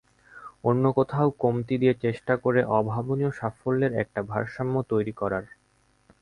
অন্য কোথাও কমতি দিয়ে চেষ্টা করে অভাবনীয় সাফল্যের একটা ভারসাম্য তৈরি করার।